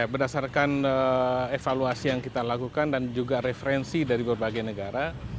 berdasarkan evaluasi yang kita lakukan dan juga referensi dari berbagai negara